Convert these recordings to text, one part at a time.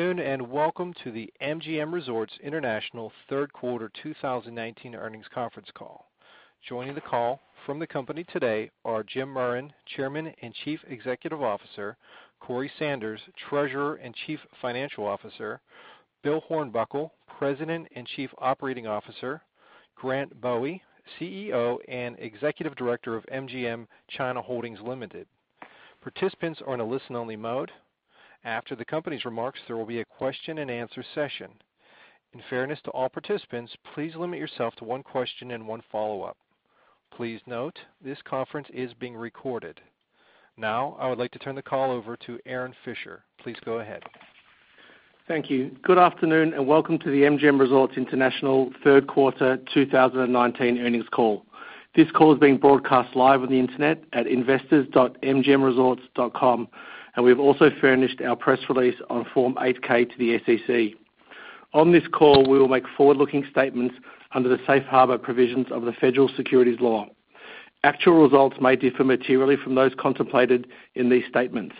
Good afternoon and welcome to the MGM Resorts International third quarter 2019 earnings conference call. Joining the call from the company today are Jim Murren, Chairman and Chief Executive Officer, Corey Sanders, Treasurer and Chief Financial Officer, Bill Hornbuckle, President and Chief Operating Officer, Grant Bowie, CEO and Executive Director of MGM China Holdings Limited. Participants are on a listen-only mode. After the company's remarks, there will be a question and answer session. In fairness to all participants, please limit yourself to one question and one follow-up. Please note, this conference is being recorded. Now, I would like to turn the call over to Erin Fisher. Please go ahead. Thank you. Good afternoon and welcome to the MGM Resorts International third quarter 2019 earnings call. This call is being broadcast live on the internet at investors.mgmresorts.com, and we have also furnished our press release on Form 8-K to the SEC. On this call, we will make forward-looking statements under the safe harbor provisions of the Federal Securities Law. Actual results may differ materially from those contemplated in these statements.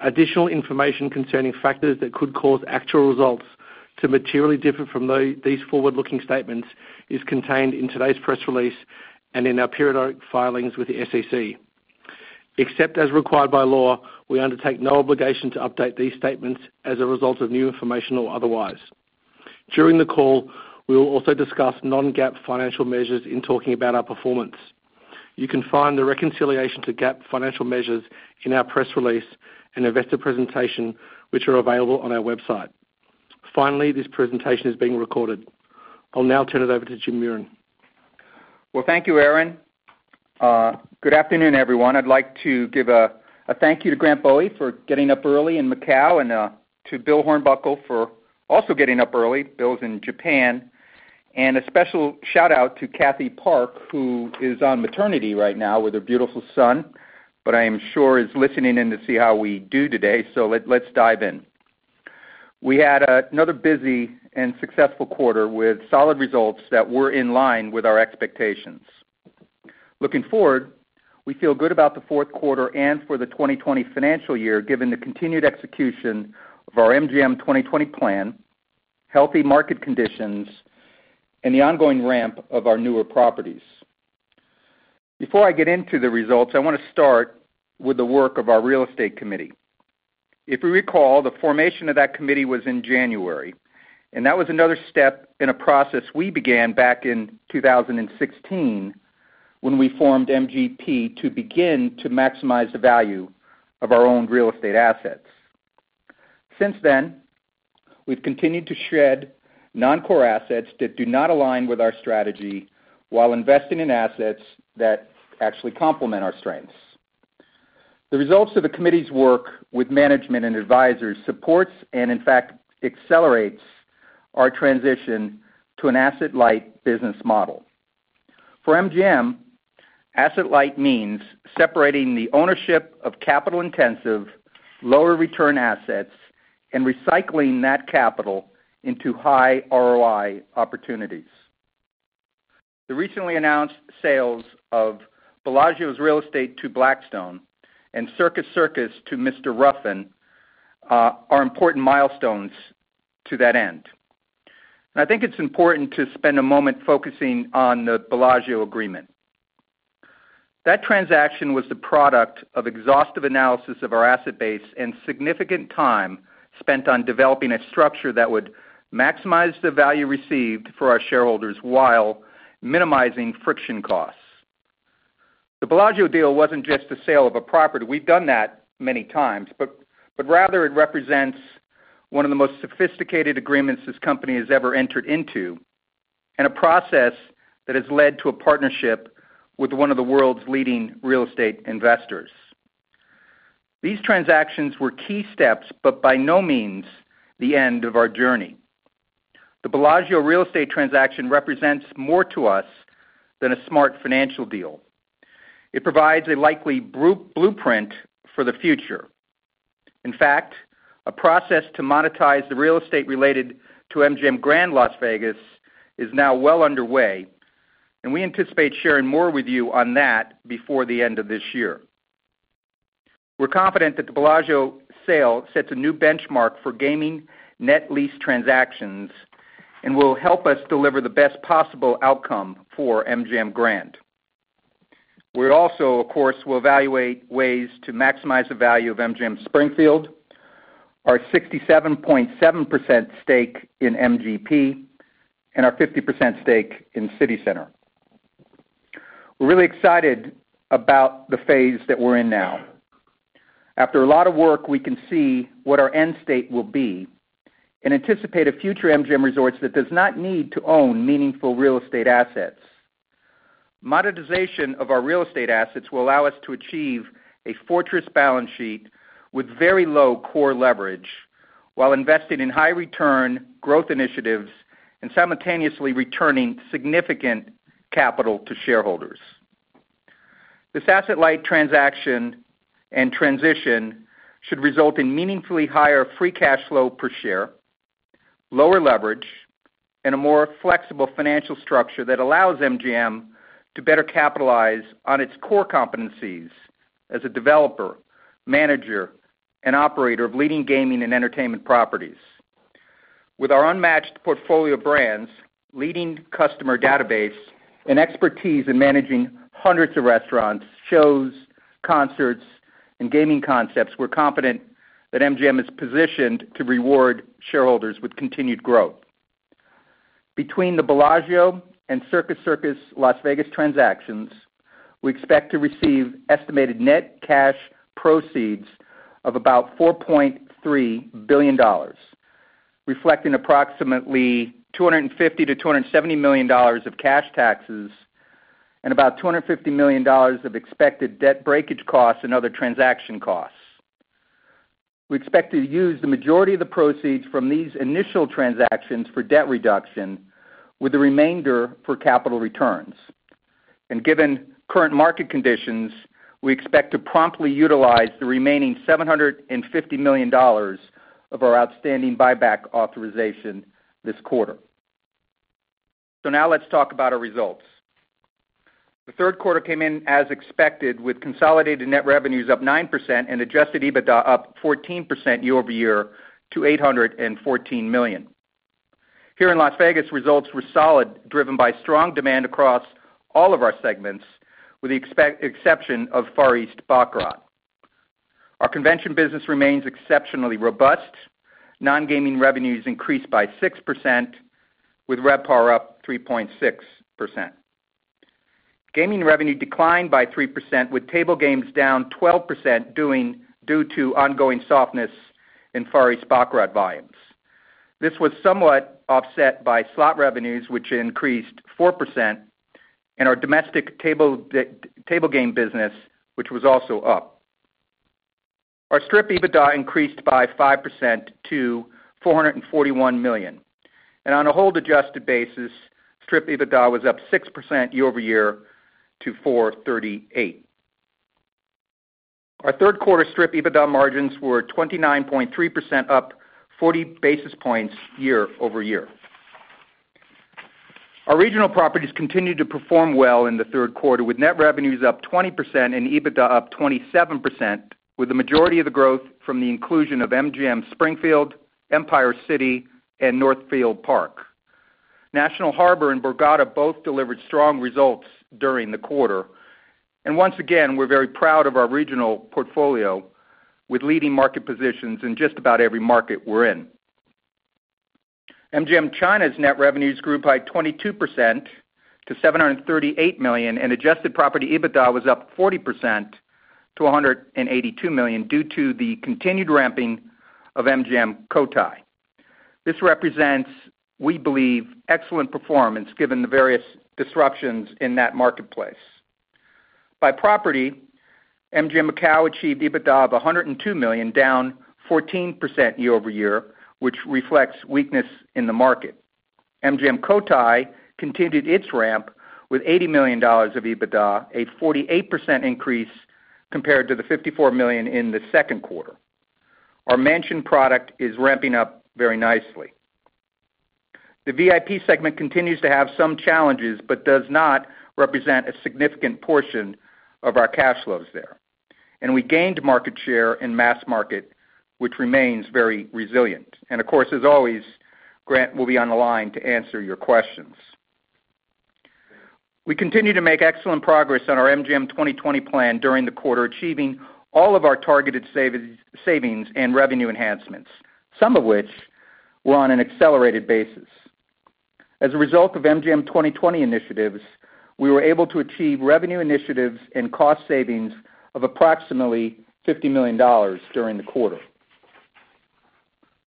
Additional information concerning factors that could cause actual results to materially differ from these forward-looking statements is contained in today's press release and in our periodic filings with the SEC. Except as required by law, we undertake no obligation to update these statements as a result of new information or otherwise. During the call, we will also discuss non-GAAP financial measures in talking about our performance. You can find the reconciliation to GAAP financial measures in our press release and investor presentation, which are available on our website. Finally, this presentation is being recorded. I'll now turn it over to Jim Murren. Well, thank you, Erin. Good afternoon, everyone. I'd like to give a thank you to Grant Bowie for getting up early in Macau and to Bill Hornbuckle for also getting up early. Bill's in Japan. A special shout-out to Kathy Park, who is on maternity right now with her beautiful son, but I am sure is listening in to see how we do today. Let's dive in. We had another busy and successful quarter with solid results that were in line with our expectations. Looking forward, we feel good about the fourth quarter and for the 2020 financial year, given the continued execution of our MGM 2020 plan, healthy market conditions, and the ongoing ramp of our newer properties. Before I get into the results, I want to start with the work of our real estate committee. If you recall, the formation of that committee was in January, that was another step in a process we began back in 2016 when we formed MGP to begin to maximize the value of our own real estate assets. Since then, we've continued to shed non-core assets that do not align with our strategy while investing in assets that actually complement our strengths. The results of the committee's work with management and advisors supports and in fact, accelerates our transition to an asset-light business model. For MGM, asset-light means separating the ownership of capital-intensive, lower return assets and recycling that capital into high ROI opportunities. The recently announced sales of Bellagio's real estate to Blackstone and Circus Circus to Mr. Ruffin are important milestones to that end. I think it's important to spend a moment focusing on the Bellagio agreement. That transaction was the product of exhaustive analysis of our asset base and significant time spent on developing a structure that would maximize the value received for our shareholders while minimizing friction costs. The Bellagio deal wasn't just the sale of a property. We've done that many times, but rather it represents one of the most sophisticated agreements this company has ever entered into, and a process that has led to a partnership with one of the world's leading real estate investors. These transactions were key steps, but by no means the end of our journey. The Bellagio real estate transaction represents more to us than a smart financial deal. It provides a likely blueprint for the future. In fact, a process to monetize the real estate related to MGM Grand Las Vegas is now well underway, and we anticipate sharing more with you on that before the end of this year. We're confident that the Bellagio sale sets a new benchmark for gaming net lease transactions and will help us deliver the best possible outcome for MGM Grand. We also, of course, will evaluate ways to maximize the value of MGM Springfield, our 67.7% stake in MGP, and our 50% stake in CityCenter. We're really excited about the phase that we're in now. After a lot of work, we can see what our end state will be and anticipate a future MGM Resorts that does not need to own meaningful real estate assets. Monetization of our real estate assets will allow us to achieve a fortress balance sheet with very low core leverage while investing in high return growth initiatives and simultaneously returning significant capital to shareholders. This asset-light transaction and transition should result in meaningfully higher free cash flow per share, lower leverage and a more flexible financial structure that allows MGM to better capitalize on its core competencies as a developer, manager, and operator of leading gaming and entertainment properties. With our unmatched portfolio brands, leading customer database, and expertise in managing hundreds of restaurants, shows, concerts, and gaming concepts, we're confident that MGM is positioned to reward shareholders with continued growth. Between the Bellagio and Circus Circus Las Vegas transactions, we expect to receive estimated net cash proceeds of about $4.3 billion, reflecting approximately $250-$270 million of cash taxes and about $250 million of expected debt breakage costs and other transaction costs. We expect to use the majority of the proceeds from these initial transactions for debt reduction with the remainder for capital returns. Given current market conditions, we expect to promptly utilize the remaining $750 million of our outstanding buyback authorization this quarter. Now let's talk about our results. The third quarter came in as expected, with consolidated net revenues up 9% and adjusted EBITDA up 14% year-over-year to $814 million. Here in Las Vegas, results were solid, driven by strong demand across all of our segments, with the exception of Far East baccarat. Our convention business remains exceptionally robust. Non-gaming revenues increased by 6%, with RevPAR up 3.6%. Gaming revenue declined by 3%, with table games down 12% due to ongoing softness in Far East baccarat volumes. This was somewhat offset by slot revenues, which increased 4%, and our domestic table game business, which was also up. Our Strip EBITDA increased by 5% to $441 million, and on a hold adjusted basis, Strip EBITDA was up 6% year-over-year to $438. Our third quarter Strip EBITDA margins were 29.3% up 40 basis points year-over-year. Our regional properties continued to perform well in the third quarter, with net revenues up 20% and EBITDA up 27%, with the majority of the growth from the inclusion of MGM Springfield, Empire City, and MGM Northfield Park. MGM National Harbor and Borgata both delivered strong results during the quarter. Once again, we're very proud of our regional portfolio with leading market positions in just about every market we're in. MGM China's net revenues grew by 22% to $738 million, and adjusted property EBITDA was up 40% to $182 million due to the continued ramping of MGM Cotai. This represents, we believe, excellent performance given the various disruptions in that marketplace. By property, MGM Macau achieved EBITDA of $102 million, down 14% year-over-year, which reflects weakness in the market. MGM Cotai continued its ramp with $80 million of EBITDA, a 48% increase compared to the $54 million in the second quarter. Our Mansion product is ramping up very nicely. The VIP segment continues to have some challenges but does not represent a significant portion of our cash flows there. We gained market share in mass market, which remains very resilient. Of course, as always, Grant will be on the line to answer your questions. We continue to make excellent progress on our MGM 2020 plan during the quarter, achieving all of our targeted savings and revenue enhancements, some of which were on an accelerated basis. As a result of MGM 2020 initiatives, we were able to achieve revenue initiatives and cost savings of approximately $50 million during the quarter.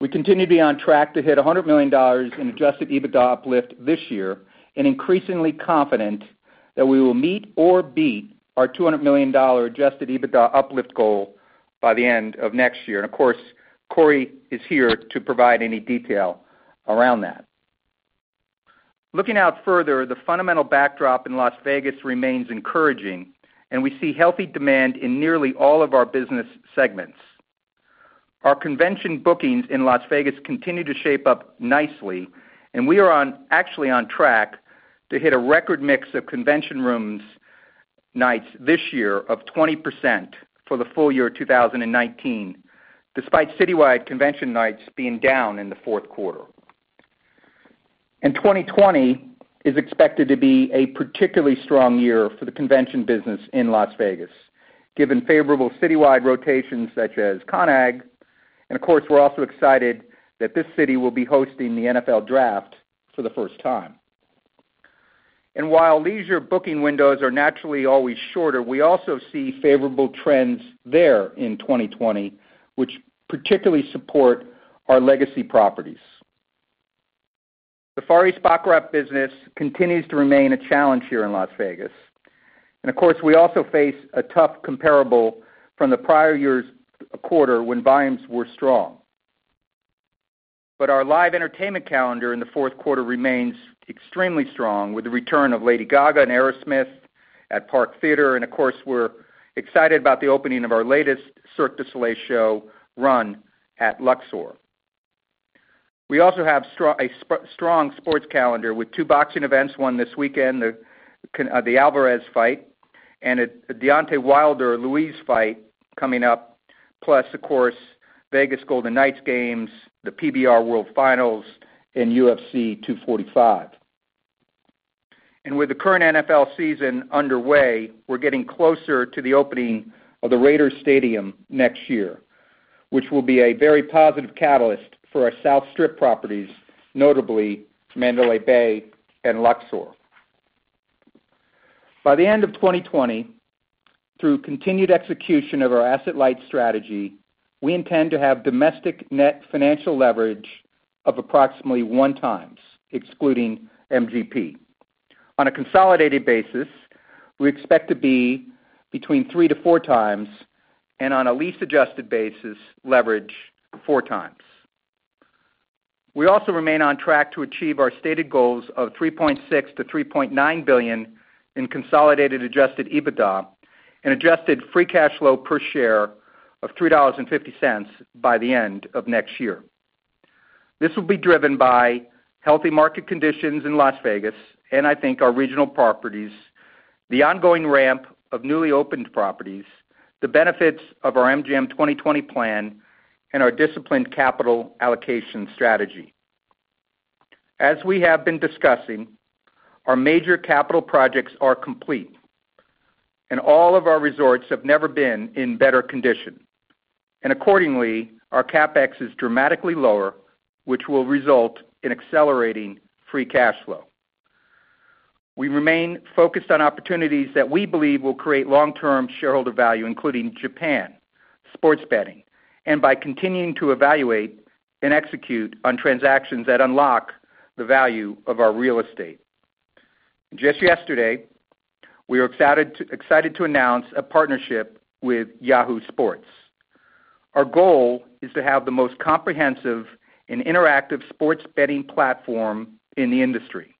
We continue to be on track to hit $100 million in adjusted EBITDA uplift this year and increasingly confident that we will meet or beat our $200 million adjusted EBITDA uplift goal by the end of next year. Of course, Corey is here to provide any detail around that. Looking out further, the fundamental backdrop in Las Vegas remains encouraging, and we see healthy demand in nearly all of our business segments. Our convention bookings in Las Vegas continue to shape up nicely. We are actually on track to hit a record mix of convention room nights this year of 20% for the full year 2019, despite citywide convention nights being down in the fourth quarter. 2020 is expected to be a particularly strong year for the convention business in Las Vegas, given favorable citywide rotations such as CONAG, and of course, we're also excited that this city will be hosting the NFL Draft for the first time. While leisure booking windows are naturally always shorter, we also see favorable trends there in 2020, which particularly support our legacy properties. The Far East baccarat business continues to remain a challenge here in Las Vegas. Of course, we also face a tough comparable from the prior year's quarter when volumes were strong. Our live entertainment calendar in the fourth quarter remains extremely strong, with the return of Lady Gaga and Aerosmith at Park MGM. Of course, we're excited about the opening of our latest Cirque du Soleil show, R.U.N, at Luxor. We also have a strong sports calendar with two boxing events, one this weekend, the Alvarez fight, and a Deontay Wilder-Luis fight coming up. Of course, Vegas Golden Knights games, the PBR World Finals, and UFC 245. With the current NFL season underway, we're getting closer to the opening of the Raiders stadium next year, which will be a very positive catalyst for our South Strip properties, notably Mandalay Bay and Luxor. By the end of 2020, through continued execution of our asset-light strategy, we intend to have domestic net financial leverage of approximately one times, excluding MGP. On a consolidated basis, we expect to be between 3 to 4 times, and on a lease-adjusted basis, leverage 4 times. We also remain on track to achieve our stated goals of $3.6 billion to $3.9 billion in consolidated adjusted EBITDA and adjusted free cash flow per share of $3.50 by the end of next year. This will be driven by healthy market conditions in Las Vegas, and I think our regional properties, the ongoing ramp of newly opened properties, the benefits of our MGM 2020 plan, and our disciplined capital allocation strategy. As we have been discussing, our major capital projects are complete, and all of our resorts have never been in better condition. Accordingly, our CapEx is dramatically lower, which will result in accelerating free cash flow. We remain focused on opportunities that we believe will create long-term shareholder value, including Japan, sports betting, and by continuing to evaluate and execute on transactions that unlock the value of our real estate. Just yesterday, we were excited to announce a partnership with Yahoo Sports. Our goal is to have the most comprehensive and interactive sports betting platform in the industry.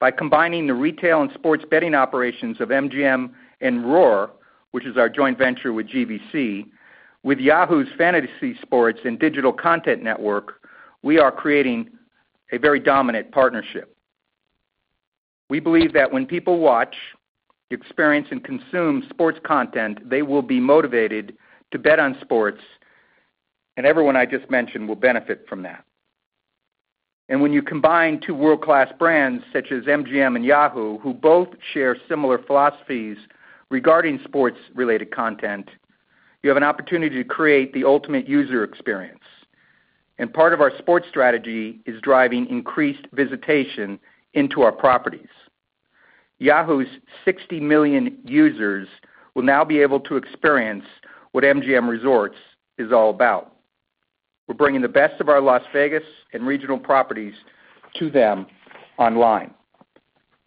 By combining the retail and sports betting operations of MGM and ROAR, which is our joint venture with GVC, with Yahoo's fantasy sports and digital content network, we are creating a very dominant partnership. We believe that when people watch, experience, and consume sports content, they will be motivated to bet on sports, and everyone I just mentioned will benefit from that. When you combine two world-class brands such as MGM and Yahoo, who both share similar philosophies regarding sports-related content, you have an opportunity to create the ultimate user experience. Part of our sports strategy is driving increased visitation into our properties. Yahoo's 60 million users will now be able to experience what MGM Resorts is all about. We're bringing the best of our Las Vegas and regional properties to them online.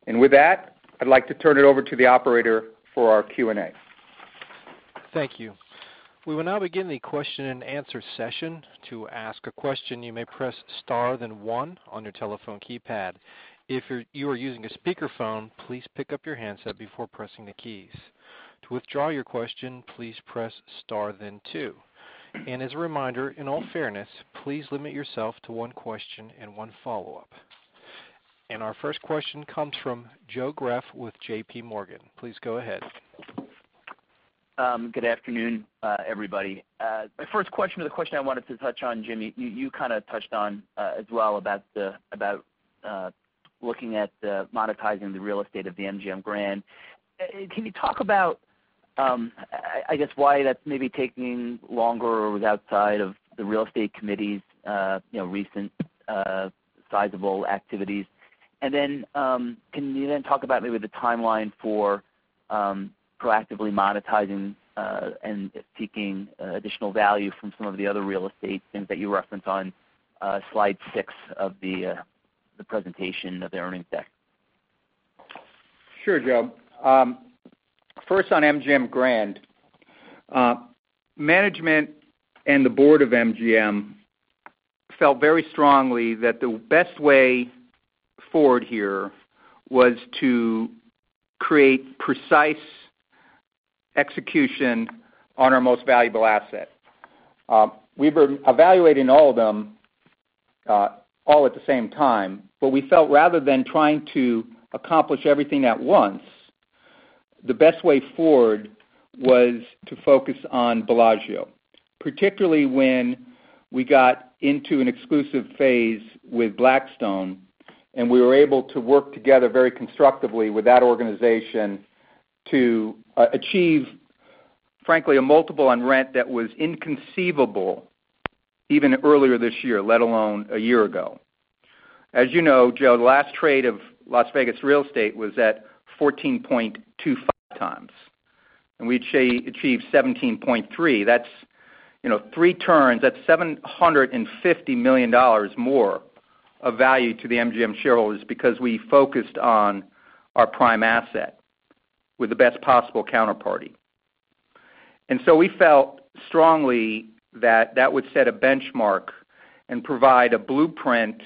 With that, I'd like to turn it over to the operator for our Q&A. Thank you. We will now begin the question and answer session. To ask a question, you may press star, then one on your telephone keypad. If you are using a speakerphone, please pick up your handset before pressing the keys. To withdraw your question, please press star, then two. As a reminder, in all fairness, please limit yourself to one question and one follow-up. Our first question comes from Joe Greff with JPMorgan. Please go ahead. Good afternoon, everybody. My first question or the question I wanted to touch on, Jim, you kind of touched on as well, about looking at monetizing the real estate of the MGM Grand. Can you talk about, I guess, why that's maybe taking longer or was outside of the real estate committee's recent sizable activities? Can you then talk about maybe the timeline for proactively monetizing and seeking additional value from some of the other real estate things that you referenced on slide six of the presentation of the earnings deck? Sure, Joe. First on MGM Grand. Management and the board of MGM felt very strongly that the best way forward here was to create precise execution on our most valuable asset. We've been evaluating all of them all at the same time, but we felt rather than trying to accomplish everything at once, the best way forward was to focus on Bellagio, particularly when we got into an exclusive phase with Blackstone. We were able to work together very constructively with that organization to achieve, frankly, a multiple on rent that was inconceivable even earlier this year, let alone a year ago. As you know, Joe, the last trade of Las Vegas real estate was at 14.25 times. We achieved 17.3. That's three turns. That's $750 million more of value to the MGM shareholders because we focused on our prime asset with the best possible counterparty. We felt strongly that that would set a benchmark and provide a blueprint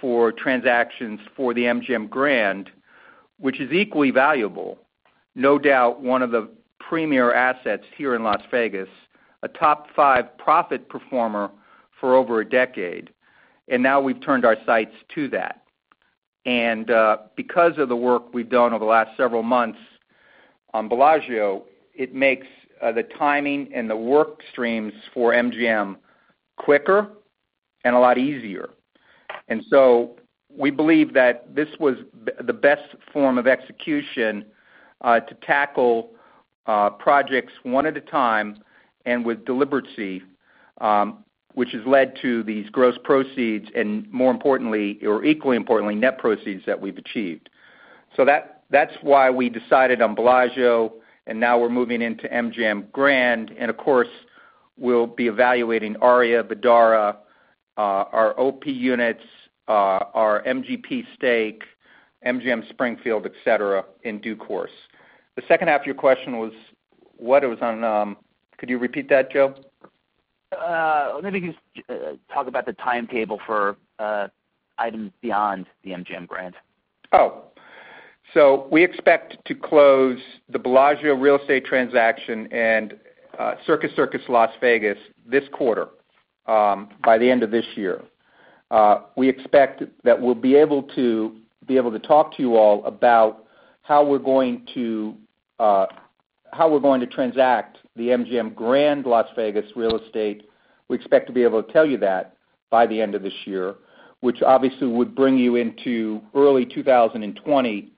for transactions for the MGM Grand, which is equally valuable. No doubt one of the premier assets here in Las Vegas, a top 5 profit performer for over a decade. Now we've turned our sights to that. Because of the work we've done over the last several months on Bellagio, it makes the timing and the work streams for MGM quicker and a lot easier. We believe that this was the best form of execution to tackle projects one at a time and with deliberacy, which has led to these gross proceeds and more importantly, or equally importantly, net proceeds that we've achieved. That's why we decided on Bellagio and now we're moving into MGM Grand. Of course, we'll be evaluating Aria, Vdara, our OP units, our MGP stake, MGM Springfield, et cetera, in due course. The second half of your question was what? It was on, could you repeat that, Joe? Maybe can you just talk about the timetable for items beyond the MGM Grand? We expect to close the Bellagio real estate transaction and Circus Circus Las Vegas this quarter, by the end of this year. We expect that we'll be able to talk to you all about how we're going to transact the MGM Grand Las Vegas real estate. We expect to be able to tell you that by the end of this year, which obviously would bring you into early 2020,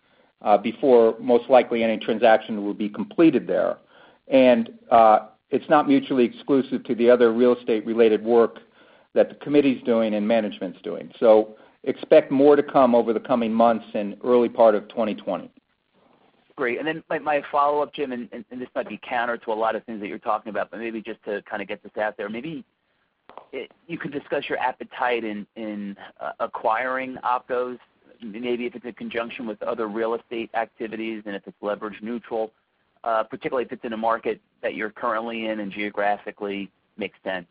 before most likely any transaction will be completed there. It's not mutually exclusive to the other real estate related work that the committee's doing and management's doing. Expect more to come over the coming months and early part of 2020. Great. My follow-up, Jim, and this might be counter to a lot of things that you're talking about, but maybe just to kind of get this out there. Maybe you could discuss your appetite in acquiring OPCOs. Maybe if it's in conjunction with other real estate activities and if it's leverage neutral, particularly if it's in a market that you're currently in and geographically makes sense.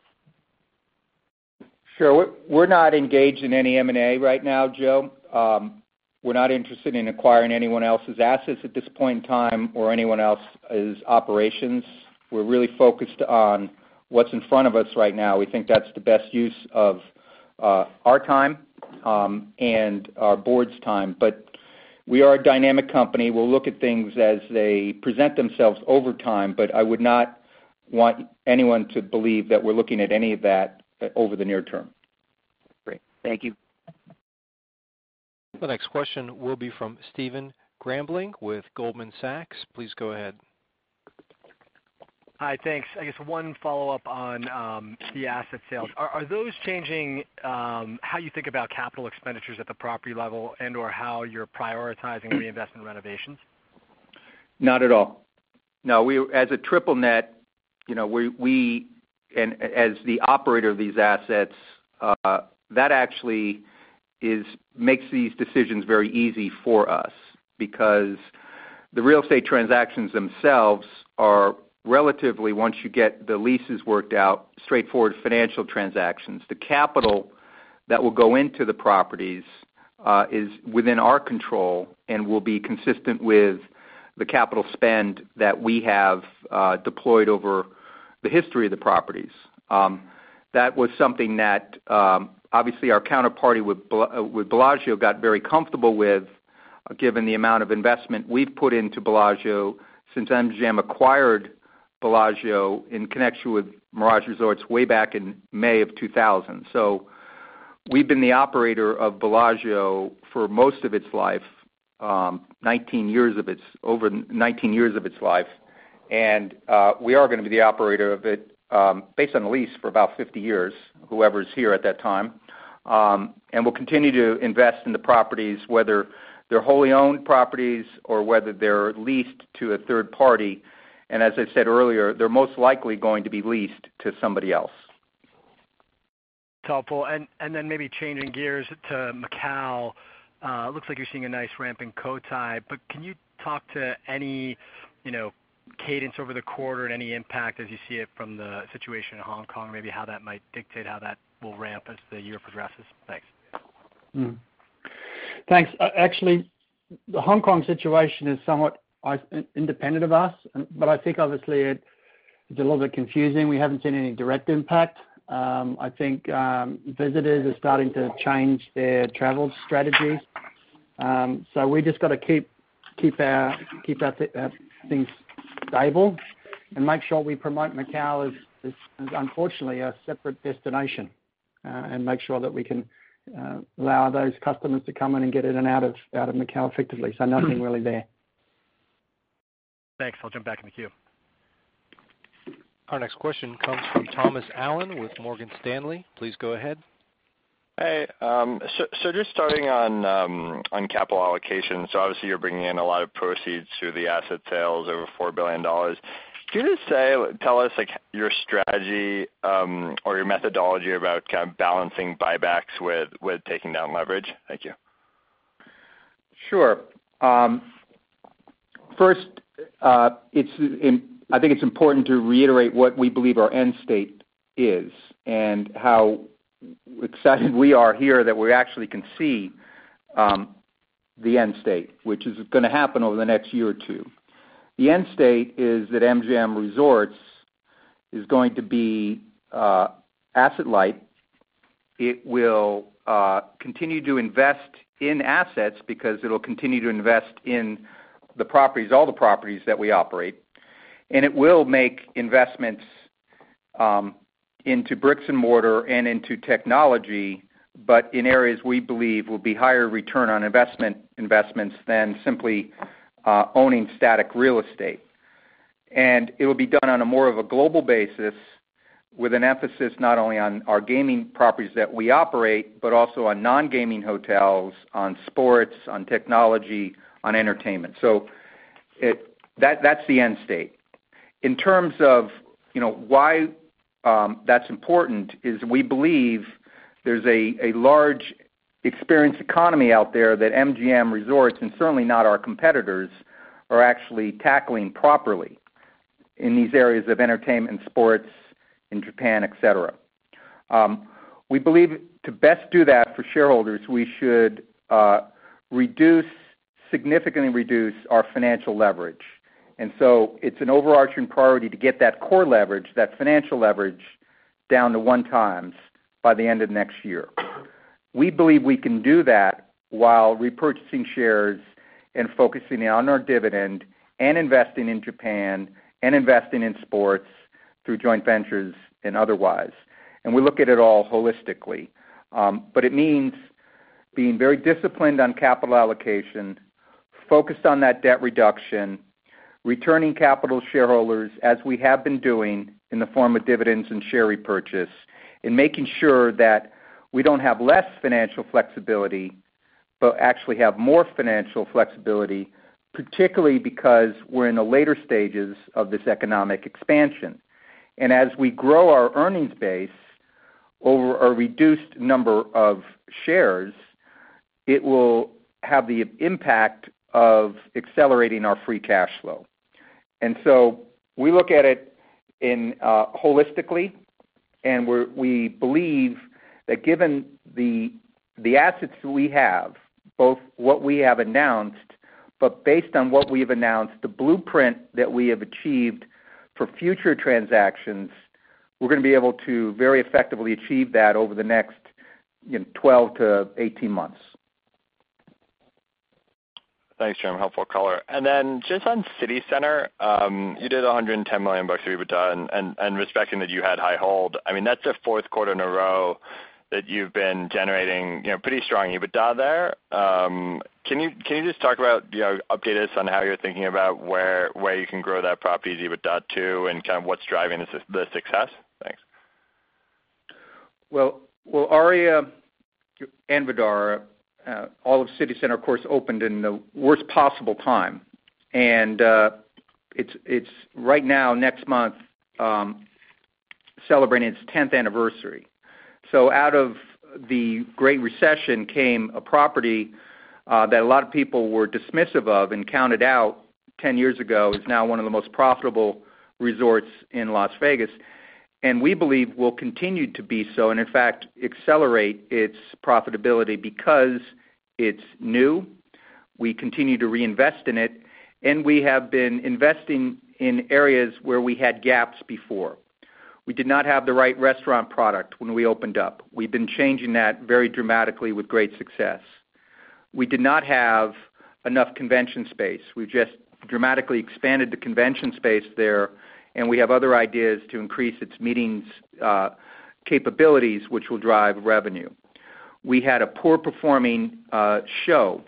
Sure. We're not engaged in any M&A right now, Joe. We're not interested in acquiring anyone else's assets at this point in time, or anyone else's operations. We're really focused on what's in front of us right now. We think that's the best use of our time and our board's time. We are a dynamic company. We'll look at things as they present themselves over time, but I would not want anyone to believe that we're looking at any of that over the near term. Great. Thank you. The next question will be from Stephen Grambling with Goldman Sachs. Please go ahead. Hi. Thanks. I guess one follow-up on the asset sales. Are those changing how you think about capital expenditures at the property level and/or how you're prioritizing reinvestment renovations? Not at all. No. As a triple net, and as the operator of these assets, that actually makes these decisions very easy for us because the real estate transactions themselves are relatively, once you get the leases worked out, straightforward financial transactions. The capital that will go into the properties is within our control and will be consistent with the capital spend that we have deployed over the history of the properties. That was something that obviously our counterparty with Bellagio got very comfortable with given the amount of investment we've put into Bellagio since MGM acquired Bellagio in connection with Mirage Resorts way back in May of 2000. We've been the operator of Bellagio for most of its life, over 19 years of its life. We are going to be the operator of it, based on the lease, for about 50 years, whoever's here at that time. We'll continue to invest in the properties, whether they're wholly owned properties or whether they're leased to a third party. As I said earlier, they're most likely going to be leased to somebody else. Helpful. Maybe changing gears to Macau. Looks like you're seeing a nice ramp in Cotai, can you talk to any cadence over the quarter and any impact as you see it from the situation in Hong Kong, maybe how that might dictate how that will ramp as the year progresses? Thanks. Thanks. Actually, the Hong Kong situation is somewhat independent of us. I think obviously it's a little bit confusing. We haven't seen any direct impact. I think visitors are starting to change their travel strategies. We just got to keep things stable and make sure we promote Macau as unfortunately a separate destination. Make sure that we can allow those customers to come in and get in and out of Macau effectively. Nothing really there. Thanks. I'll jump back in the queue. Our next question comes from Thomas Allen with Morgan Stanley. Please go ahead. Hey. Just starting on capital allocation. Obviously you're bringing in a lot of proceeds through the asset sales, over $4 billion. Can you just tell us your strategy or your methodology about kind of balancing buybacks with taking down leverage? Thank you. Sure. First, I think it's important to reiterate what we believe our end state is and how excited we are here that we actually can see the end state, which is going to happen over the next year or two. The end state is that MGM Resorts is going to be asset light. It will continue to invest in assets because it'll continue to invest in all the properties that we operate. It will make investments into bricks and mortar and into technology, but in areas we believe will be higher return on investments than simply owning static real estate. It will be done on a more of a global basis with an emphasis not only on our gaming properties that we operate, but also on non-gaming hotels, on sports, on technology, on entertainment. That's the end state. In terms of why that's important is we believe there's a large experienced economy out there that MGM Resorts, and certainly not our competitors, are actually tackling properly in these areas of entertainment, sports, in Japan, et cetera. We believe to best do that for shareholders, we should significantly reduce our financial leverage. It's an overarching priority to get that core leverage, that financial leverage, down to 1x by the end of next year. We believe we can do that while repurchasing shares and focusing on our dividend, investing in Japan, and investing in sports through joint ventures and otherwise. We look at it all holistically. It means being very disciplined on capital allocation, focused on that debt reduction, returning capital to shareholders as we have been doing in the form of dividends and share repurchase, and making sure that we don't have less financial flexibility, but actually have more financial flexibility, particularly because we're in the later stages of this economic expansion. As we grow our earnings base over a reduced number of shares, it will have the impact of accelerating our free cash flow. So we look at it holistically, and we believe that given the assets that we have, both what we have announced, but based on what we've announced, the blueprint that we have achieved for future transactions, we're going to be able to very effectively achieve that over the next 12 to 18 months. Thanks, Jim. Helpful color. Just on CityCenter, you did $110 million of EBITDA, and respecting that you had high hold, that's the fourth quarter in a row that you've been generating pretty strong EBITDA there. Can you just talk about, update us on how you're thinking about where you can grow that property's EBITDA to and kind of what's driving the success? Thanks. Well, Aria and Vdara, all of CityCenter, of course, opened in the worst possible time. It's right now, next month, celebrating its 10th anniversary. Out of the Great Recession came a property that a lot of people were dismissive of and counted out 10 years ago, is now one of the most profitable resorts in Las Vegas. We believe will continue to be so, and in fact, accelerate its profitability because it's new, we continue to reinvest in it, and we have been investing in areas where we had gaps before. We did not have the right restaurant product when we opened up. We've been changing that very dramatically with great success. We did not have enough convention space. We've just dramatically expanded the convention space there, and we have other ideas to increase its meetings capabilities, which will drive revenue. We had a poor performing show.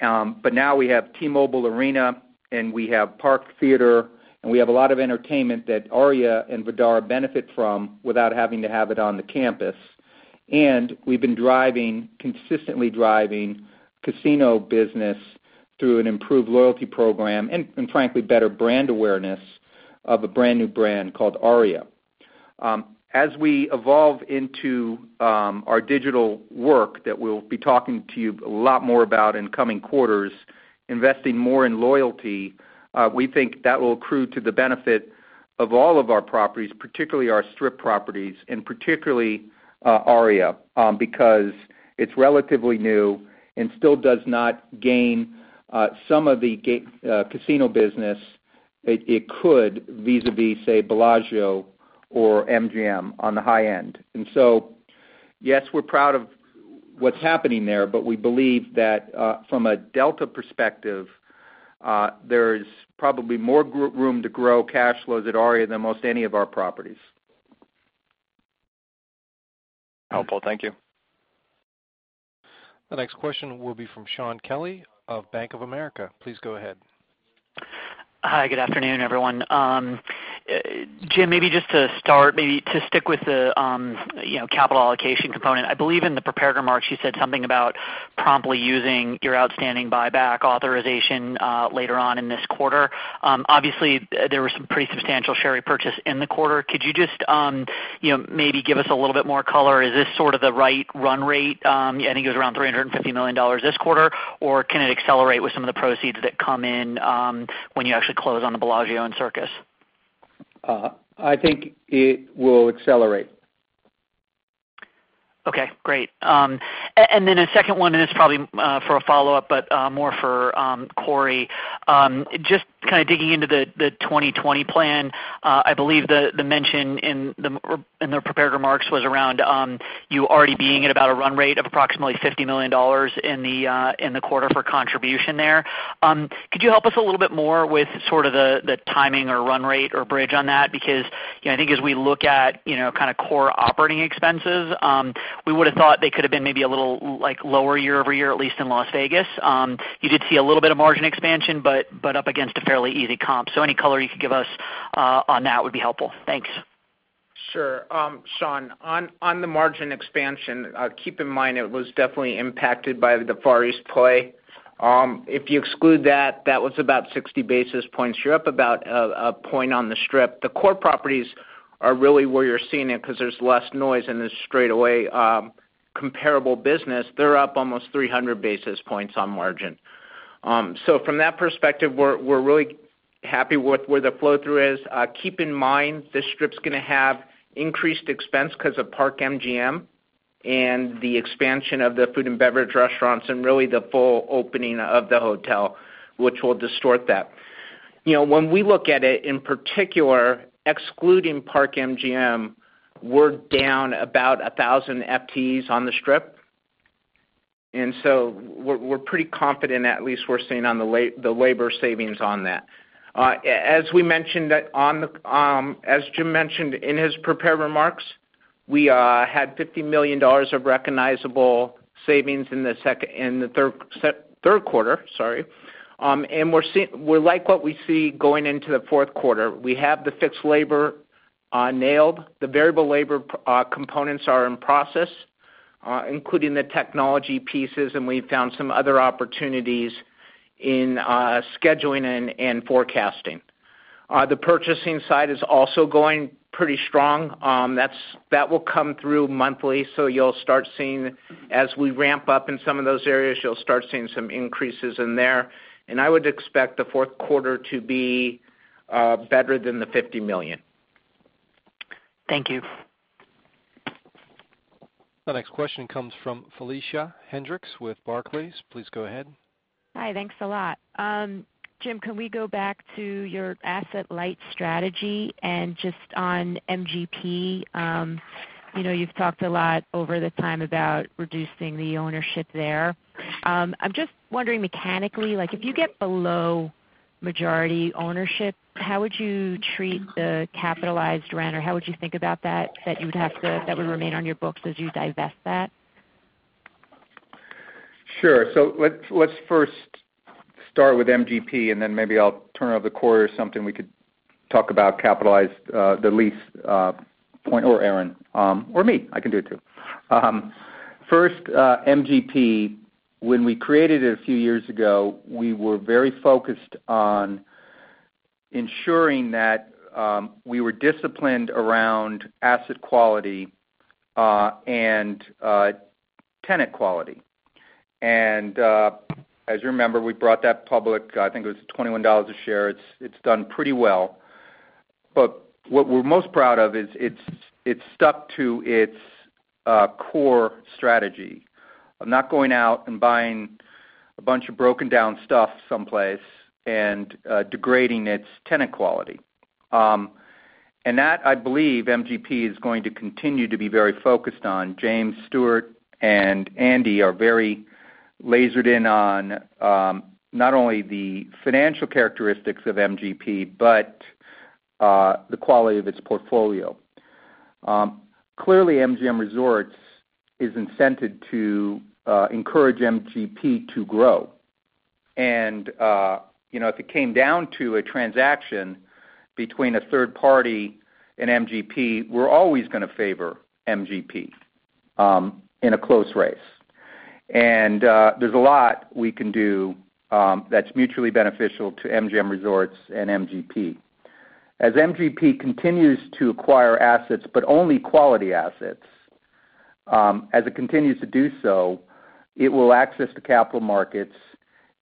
Now we have T-Mobile Arena, and we have Park Theater, and we have a lot of entertainment that Aria and Vdara benefit from without having to have it on the campus. We've been consistently driving casino business through an improved loyalty program and, frankly, better brand awareness of a brand new brand called Aria. As we evolve into our digital work that we'll be talking to you a lot more about in coming quarters, investing more in loyalty, we think that will accrue to the benefit of all of our properties, particularly our Strip properties, and particularly Aria because it's relatively new and still does not gain some of the casino business that it could vis-à-vis, say, Bellagio or MGM on the high end. Yes, we're proud of what's happening there, but we believe that from a delta perspective, there's probably more room to grow cash flows at Aria than most any of our properties. Helpful. Thank you. The next question will be from Shaun Kelley of Bank of America. Please go ahead. Hi, good afternoon, everyone. Jim, maybe just to start, maybe to stick with the capital allocation component. I believe in the prepared remarks, you said something about promptly using your outstanding buyback authorization later on in this quarter. Obviously, there was some pretty substantial share repurchase in the quarter. Could you just maybe give us a little bit more color? Is this sort of the right run rate? I think it was around $350 million this quarter, or can it accelerate with some of the proceeds that come in when you actually close on the Bellagio and Circus? I think it will accelerate. Okay, great. A second one, this is probably for a follow-up, but more for Corey. Just kind of digging into the MGM 2020 plan, I believe the mention in the prepared remarks was around you already being at about a run rate of $50 million in the quarter for contribution there. Could you help us a little bit more with sort of the timing or run rate or bridge on that? I think as we look at kind of core operating expenses, we would've thought they could've been maybe a little lower year-over-year, at least in Las Vegas. You did see a little bit of margin expansion, but up against a fairly easy comp. Any color you could give us on that would be helpful. Thanks. Sure. Shaun, on the margin expansion, keep in mind it was definitely impacted by the Far East play. If you exclude that was about 60 basis points. You're up about a point on the Strip. The core properties are really where you're seeing it because there's less noise in the straightaway comparable business. They're up almost 300 basis points on margin. From that perspective, we're really happy with where the flow-through is. Keep in mind, the Strip's going to have increased expense because of Park MGM and the expansion of the food and beverage restaurants and really the full opening of the hotel, which will distort that. When we look at it in particular, excluding Park MGM, we're down about 1,000 FTEs on the Strip. We're pretty confident at least we're seeing on the labor savings on that. As Jim mentioned in his prepared remarks, we had $50 million of recognizable savings in the third quarter, sorry. We like what we see going into the fourth quarter. We have the fixed labor nailed. The variable labor components are in process, including the technology pieces, and we've found some other opportunities in scheduling and forecasting. The purchasing side is also going pretty strong. That will come through monthly, so as we ramp up in some of those areas, you'll start seeing some increases in there. I would expect the fourth quarter to be better than the $50 million. Thank you. The next question comes from Felicia Hendrix with Barclays. Please go ahead. Hi, thanks a lot. Jim, can we go back to your asset-light strategy and just on MGP? You've talked a lot over the time about reducing the ownership there. I'm just wondering mechanically, if you get below majority ownership, how would you treat the capitalized rent, or how would you think about that would remain on your books as you divest that? Sure. Let's first start with MGP, maybe I'll turn it over to Corey or something we could talk about capitalized the lease point, or Erin. Me, I can do it, too. First, MGP, when we created it a few years ago, we were very focused on ensuring that we were disciplined around asset quality and tenant quality. As you remember, we brought that public, I think it was $21 a share. It's done pretty well. What we're most proud is it's stuck to its core strategy of not going out and buying a bunch of broken-down stuff someplace and degrading its tenant quality. That, I believe MGP is going to continue to be very focused on. James Stewart and Andy are very lasered in on not only the financial characteristics of MGP, but the quality of its portfolio. Clearly, MGM Resorts is incented to encourage MGP to grow. If it came down to a transaction between a third party and MGP, we're always going to favor MGP in a close race. There's a lot we can do that's mutually beneficial to MGM Resorts and MGP. As MGP continues to acquire assets, but only quality assets, as it continues to do so, it will access the capital markets,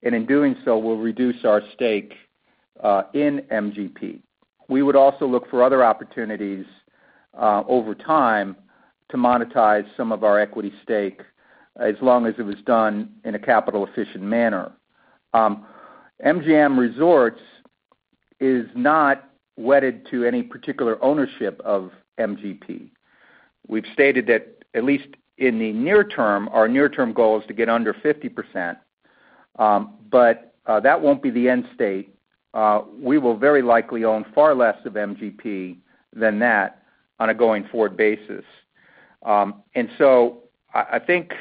and in doing so, will reduce our stake in MGP. We would also look for other opportunities over time to monetize some of our equity stake, as long as it was done in a capital-efficient manner. MGM Resorts is not wedded to any particular ownership of MGP. We've stated that at least in the near term, our near-term goal is to get under 50%, but that won't be the end state. We will very likely own far less of MGP than that on a going-forward basis. I think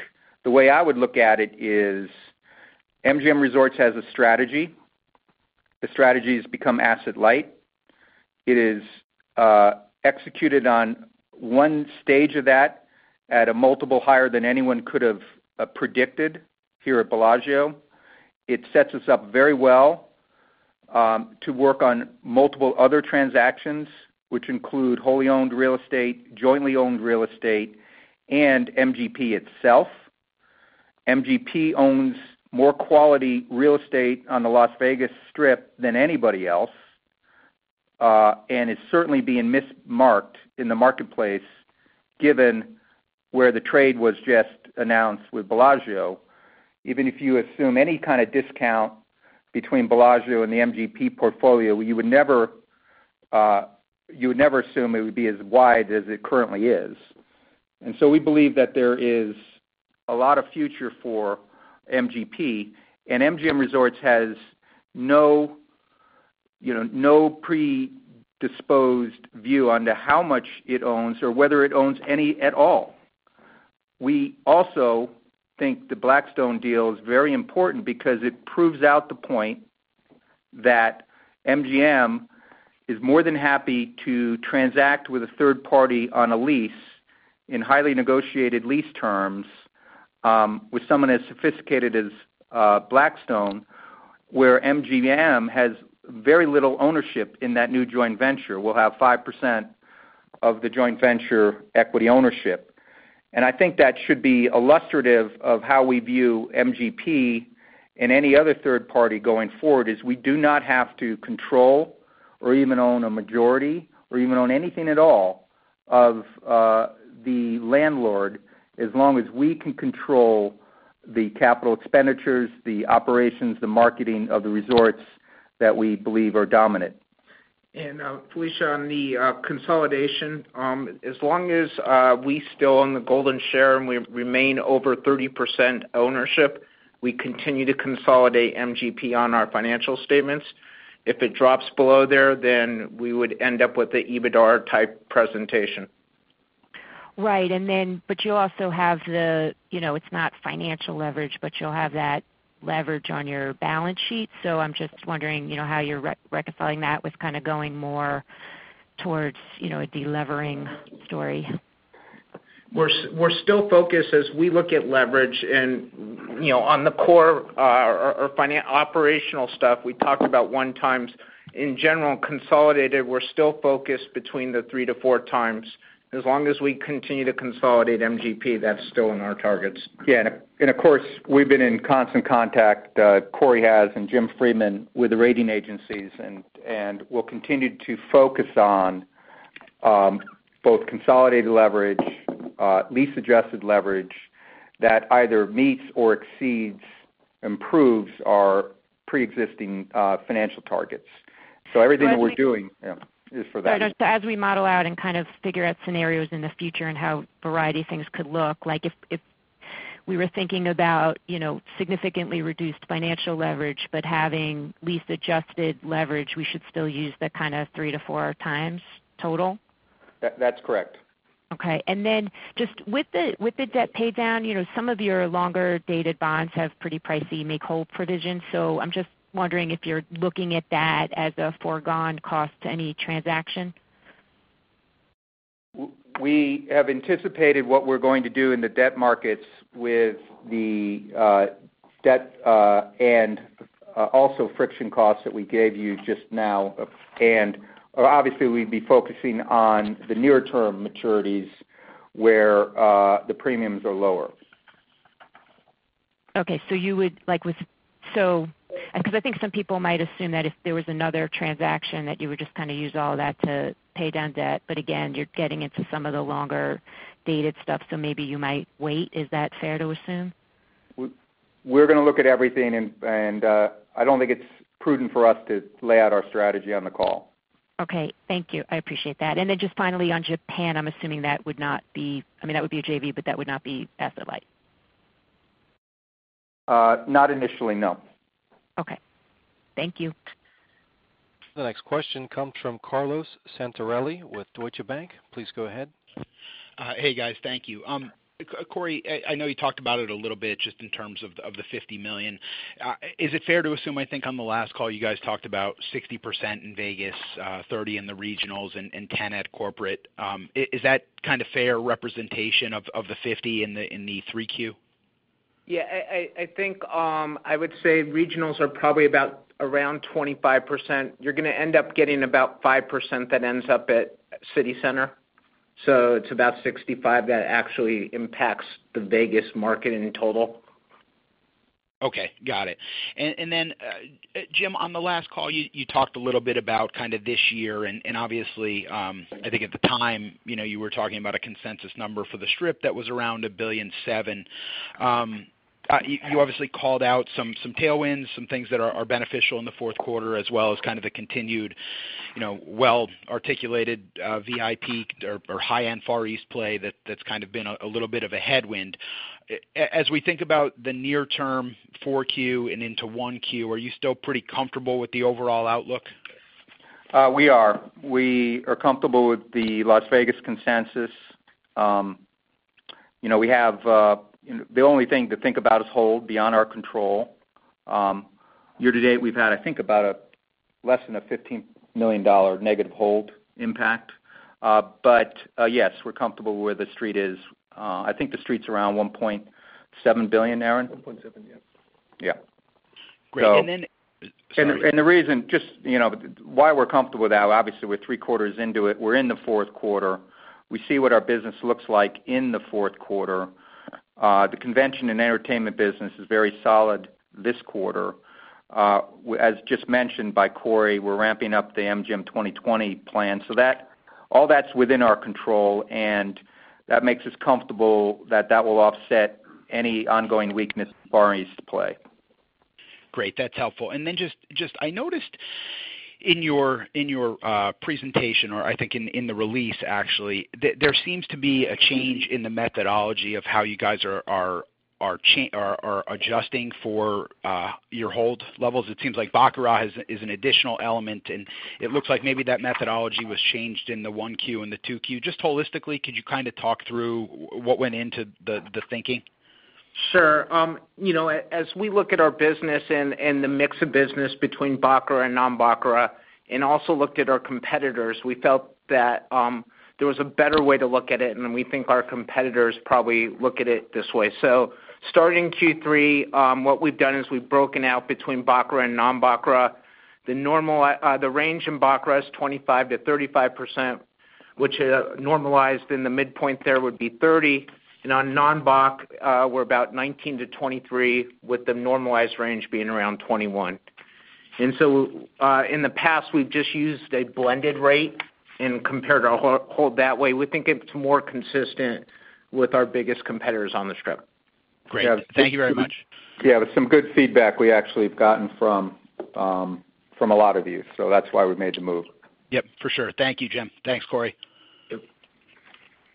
the way I would look at it is MGM Resorts has a strategy. The strategy has become asset light. It has executed on 1 stage of that at a multiple higher than anyone could have predicted here at Bellagio. It sets us up very well to work on multiple other transactions, which include wholly owned real estate, jointly owned real estate, and MGP itself. MGP owns more quality real estate on the Las Vegas Strip than anybody else, and is certainly being mismarked in the marketplace given where the trade was just announced with Bellagio. Even if you assume any kind of discount between Bellagio and the MGP portfolio, you would never assume it would be as wide as it currently is. We believe that there is a lot of future for MGP, and MGM Resorts has no predisposed view on to how much it owns or whether it owns any at all. We also think the Blackstone deal is very important because it proves out the point that MGM is more than happy to transact with a third party on a lease in highly negotiated lease terms, with someone as sophisticated as Blackstone, where MGM has very little ownership in that new joint venture. We'll have 5% of the joint venture equity ownership. I think that should be illustrative of how we view MGP and any other third party going forward, is we do not have to control or even own a majority, or even own anything at all of the landlord, as long as we can control the capital expenditures, the operations, the marketing of the resorts that we believe are dominant. Felicia, on the consolidation, as long as we still own the golden share and we remain over 30% ownership, we continue to consolidate MGP on our financial statements. If it drops below there, we would end up with a EBITDAR type presentation. Right. You'll also have, it's not financial leverage, but you'll have that leverage on your balance sheet. I'm just wondering, how you're reconciling that with kind of going more towards a de-levering story. We're still focused as we look at leverage and on the core operational stuff we talked about 1x. In general, consolidated, we're still focused between the 3x-4x. As long as we continue to consolidate MGP, that's still in our targets. Of course, we've been in constant contact, Corey has, and Jim Freeman, with the rating agencies. We'll continue to focus on both consolidated leverage, lease-adjusted leverage that either meets or exceeds, improves our preexisting financial targets. Everything that we're doing. Right. Yeah, is for that. As we model out and kind of figure out scenarios in the future and how a variety of things could look like if we were thinking about significantly reduced financial leverage, but having lease-adjusted leverage, we should still use the kind of three to four times total? That's correct. Okay. Just with the debt pay down, some of your longer-dated bonds have pretty pricey make-whole provisions. I'm just wondering if you're looking at that as a foregone cost to any transaction. We have anticipated what we're going to do in the debt markets with the debt, and also friction costs that we gave you just now. Obviously we'd be focusing on the nearer-term maturities where, the premiums are lower. Okay. I think some people might assume that if there was another transaction, that you would just kind of use all that to pay down debt. Again, you're getting into some of the longer-dated stuff, so maybe you might wait. Is that fair to assume? We're going to look at everything, and I don't think it's prudent for us to lay out our strategy on the call. Okay. Thank you. I appreciate that. Just finally on Japan, I'm assuming that would not be, I mean, that would be a JV, but that would not be asset-light. Not initially, no. Okay. Thank you. The next question comes from Carlo Santarelli with Deutsche Bank. Please go ahead. Hey, guys. Thank you. Corey, I know you talked about it a little bit just in terms of the $50 million. Is it fair to assume, I think on the last call, you guys talked about 60% in Vegas, 30 in the regionals and 10 at corporate. Is that kind of fair representation of the 50 in the 3Q? Yeah, I think, I would say regionals are probably about around 25%. You're going to end up getting about 5% that ends up at CityCenter. It's about 65 that actually impacts the Vegas market in total. Okay. Got it. Jim, on the last call, you talked a little bit about kind of this year, and obviously, I think at the time, you were talking about a consensus number for the Strip that was around a $1.7 billion. You obviously called out some tailwinds, some things that are beneficial in the fourth quarter, as well as kind of the continued well-articulated VIP or high-end Far East play that's kind of been a little bit of a headwind. As we think about the near term 4Q and into 1Q, are you still pretty comfortable with the overall outlook? We are comfortable with the Las Vegas consensus. The only thing to think about is hold beyond our control. Year to date, we've had, I think, about less than a $15 million negative hold impact. Yes, we're comfortable where the Street is. I think the Street's around $1.7 billion, Erin? $1.7, yes. Yeah. Great. Sorry. The reason just why we're comfortable with that, obviously, we're three quarters into it. We're in the fourth quarter. We see what our business looks like in the fourth quarter. The convention and entertainment business is very solid this quarter. As just mentioned by Corey, we're ramping up the MGM 2020 plan. All that's within our control, and that makes us comfortable that that will offset any ongoing weakness at baccarat play. Great. That's helpful. Just, I noticed in your presentation or I think in the release actually, there seems to be a change in the methodology of how you guys are adjusting for your hold levels. It seems like baccarat is an additional element, and it looks like maybe that methodology was changed in the one Q and the two Q. Just holistically, could you talk through what went into the thinking? Sure. As we look at our business and the mix of business between baccarat and non-baccarat, also looked at our competitors, we felt that there was a better way to look at it. We think our competitors probably look at it this way. Starting Q3, what we've done is we've broken out between baccarat and non-baccarat. The range in baccarat is 25%-35%, which normalized in the midpoint there would be 30. On non-bac, we're about 19-23, with the normalized range being around 21. In the past, we've just used a blended rate and compared our hold that way. We think it's more consistent with our biggest competitors on the Strip. Great. Thank you very much. Yeah. Some good feedback we actually have gotten from a lot of you. That's why we made the move. Yep, for sure. Thank you, Jim. Thanks, Corey. Yep.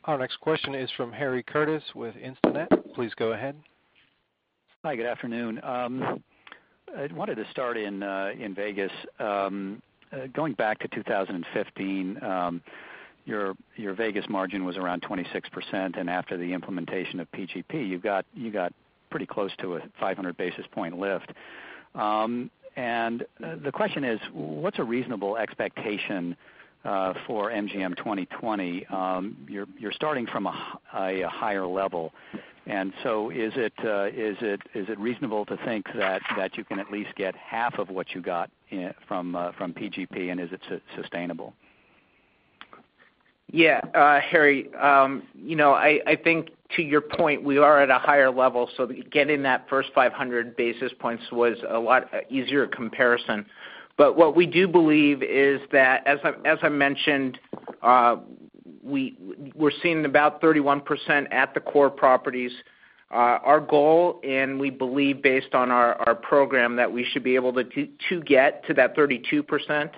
Our next question is from Harry Curtis with Instinet. Please go ahead. Hi, good afternoon. I wanted to start in Vegas. Going back to 2015, your Vegas margin was around 26%, and after the implementation of PGP, you got pretty close to a 500 basis point lift. The question is, what's a reasonable expectation for MGM 2020? You're starting from a higher level, and so is it reasonable to think that you can at least get half of what you got from PGP, and is it sustainable? Yeah. Harry, I think to your point, we are at a higher level. Getting that first 500 basis points was a lot easier comparison. What we do believe is that, as I mentioned, we're seeing about 31% at the core properties. Our goal, and we believe based on our program, that we should be able to get to that 32%,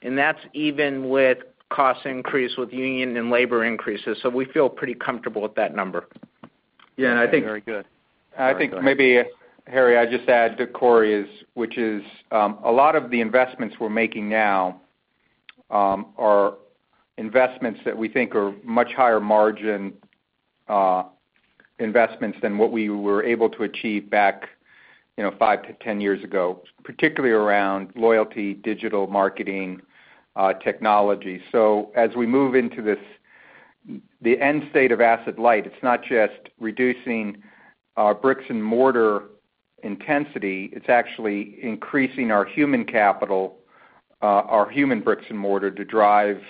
and that's even with cost increase with union and labor increases. We feel pretty comfortable with that number. Yeah. Very good. I think maybe, Harry, I just add to Corey's, which is, a lot of the investments we're making now are investments that we think are much higher margin investments than what we were able to achieve back five to 10 years ago, particularly around loyalty, digital marketing, technology. As we move into the end state of asset light, it's not just reducing our bricks and mortar intensity, it's actually increasing our human capital, our human bricks and mortar to drive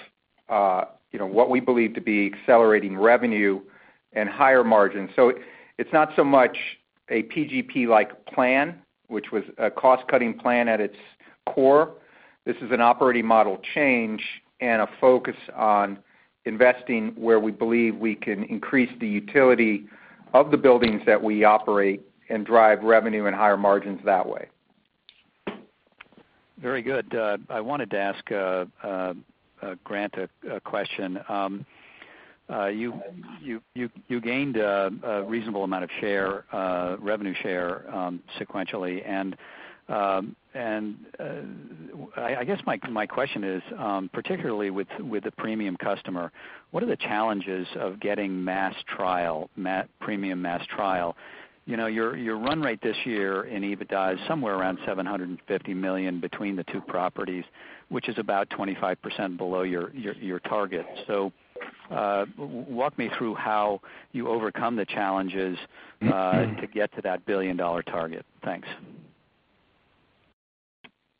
what we believe to be accelerating revenue and higher margins. It's not so much a PGP-like plan, which was a cost-cutting plan at its core. This is an operating model change and a focus on investing where we believe we can increase the utility of the buildings that we operate and drive revenue and higher margins that way. Very good. I wanted to ask Grant a question. You gained a reasonable amount of revenue share sequentially. I guess my question is, particularly with the premium customer, what are the challenges of getting mass trial, premium mass trial? Your run rate this year in EBITDA is somewhere around $750 million between the two properties, which is about 25% below your target. Walk me through how you overcome the challenges to get to that billion-dollar target.